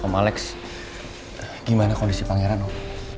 alex gimana kondisi pangeran om